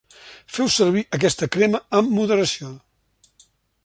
Feu servir aquesta crema amb moderació.